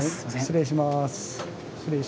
失礼します。